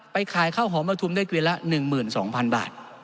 ขายข้าวหอมประทุมได้เกวียนละ๑๒๐๐๐บาท